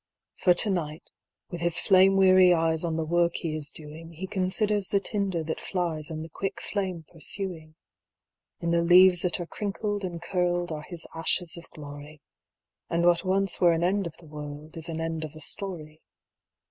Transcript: For to night, with his flame weary eyes On the work he is doing, He considers the tinder that flies And the quick flame pursuing. In the leaves that are crinkled and curled Are his ashes of glory, And what once were an end of the world Is an end of a story.